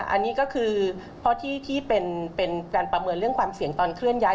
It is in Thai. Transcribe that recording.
อันนี้ก็คือเพราะที่เป็นการประเมินเรื่องความเสี่ยงตอนเคลื่อนย้าย